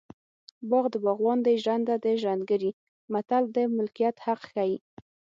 باغ د باغوان دی ژرنده د ژرندګړي متل د ملکیت حق ښيي